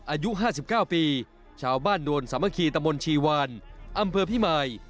อายุ๕๙ปีชาวบ้านโนนสามัคคีตะมนต์ชีวานอำเภอพิมาย